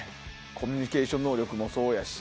コミュニケーション能力もそうやし。